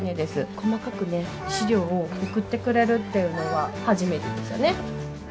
細かくね資料を送ってくれるっていうのは初めてでしたね。